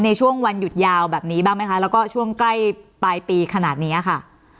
ในช่วงวันหยุดยาวแบบนี้บ้างไหมคะแล้วก็ช่วงใกล้ปลายปีขนาดนี้ค่ะ